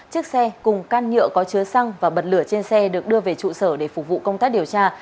chiếc xe cùng can nhựa có chứa xăng và bật lửa trên xe được đưa về trụ sở để phục vụ công tác điều tra